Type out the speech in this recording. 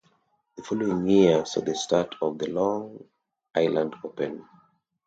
The following year saw the start of the Long Island Open.